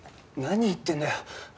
何言ってんだよ。